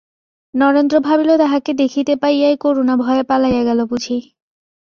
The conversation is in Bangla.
নরেন্দ্র ভাবিল তাহাকে দেখিতে পাইয়াই করুণা ভয়ে পলাইয়া গেল বুঝি।